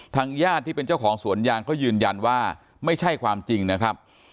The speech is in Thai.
ญาติที่เป็นเจ้าของสวนยางก็ยืนยันว่าไม่ใช่ความจริงนะครับ